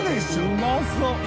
うまそう！